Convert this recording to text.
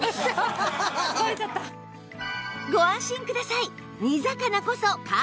ご安心ください！